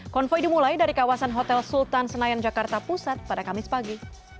konvoi dimulai dari kawasan hotel sultan senayan jakarta pusat pada kamis pagi